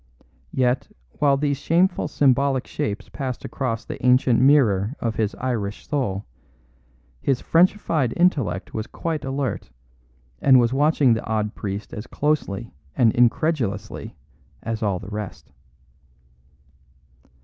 Yet, while these shameful symbolic shapes passed across the ancient mirror of his Irish soul, his Frenchified intellect was quite alert, and was watching the odd priest as closely and incredulously as all the rest.